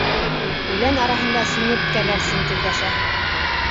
Үлән араһында сиңерткәләр сиңкелдәшә.